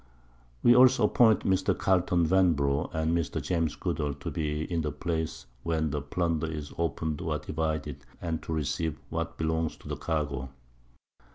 We also appoint Mr._ Carleton Vanbrugh, and Mr. James Goodall _to be in the Place when the Plunder is open'd or divided, and to receive what belongs to the Cargo.